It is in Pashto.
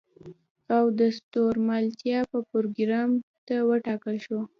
او د ستورملتابه پروګرام ته وټاکل شوه.